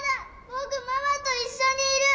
僕ママと一緒にいる！